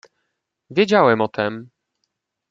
"Wiedziałem o tem."